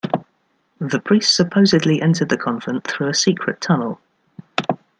The priests supposedly entered the convent through a secret tunnel.